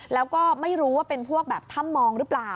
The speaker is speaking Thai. แล้วก็ไม่รู้ว่าเป็นพวกแบบถ้ำมองหรือเปล่า